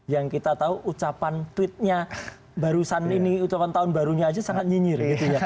yang kita tahu ucapan tweet nya barusan ini ucapan tahun barunya saja sangat nyinyir